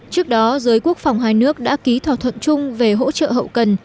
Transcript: trước đó giới quốc phòng hai nước đã ký thỏa thuận chung về hỗ trợ hậu cần